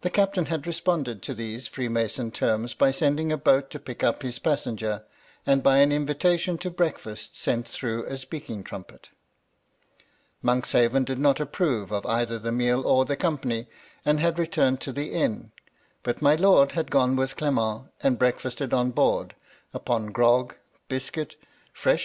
The captain had responded to these freemason terms by sending a boat to pick up his passenger, and by an invitation to breakfast sent through a speaking trumpet Monkshaven did not approve of either the meal or the company, and had re turned to the inn, but my lord had gone with Clement, and breakfasted on board, upon grog, biscuit, fresh MY LADY LUDLOW.